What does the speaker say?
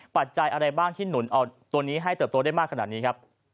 ปัจจัยอะไรบ้างที่หนุนเอาตัวนี้ให้เติบโตได้มากขนาดนี้ครับ